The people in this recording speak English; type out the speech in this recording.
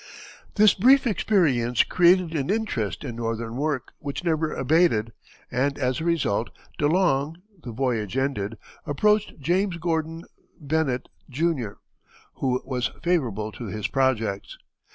This brief experience created an interest in northern work which never abated, and as a result, De Long, the voyage ended, approached James Gordon Bennett, Jr., who was favorable to his projects.